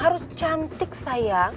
harus cantik sayang